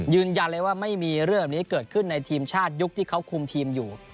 ยืนยันเลยว่าไม่มีเรื่องแบบนี้เกิดขึ้นในทีมชาติยุคที่เขาคุมทีมอยู่